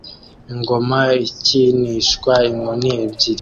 Ingoma ikinishwa inkoni ebyiri